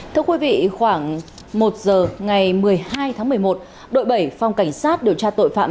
thưa quý vị khoảng một giờ ngày một mươi hai tháng một mươi một đội bảy phòng cảnh sát điều tra tội phạm